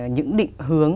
những định hướng